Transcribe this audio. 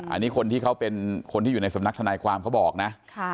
อันนี้คนที่เขาเป็นคนที่อยู่ในสำนักทนายความเขาบอกนะ